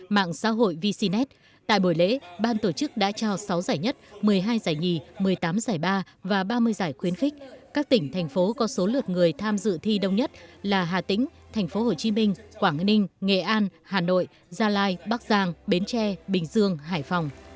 mạng xã hội vcnet tại buổi lễ ban tổ chức đã trao sáu giải nhất một mươi hai giải nhì một mươi tám giải ba và ba mươi giải khuyến khích các tỉnh thành phố có số lượt người tham dự thi đông nhất là hà tĩnh tp hcm quảng ninh nghệ an hà nội gia lai bắc giang bến tre bình dương hải phòng